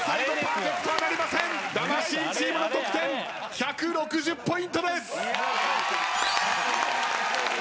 魂チームの得点１６０ポイントです。